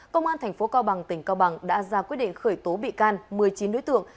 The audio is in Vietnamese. công an tp cao bằng tỉnh cao bằng đã ra quyết định khởi tố bị can một mươi chín đối tượng